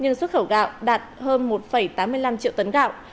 nhưng xuất khẩu gạo đạt hơn một tám mươi năm triệu tấn gạo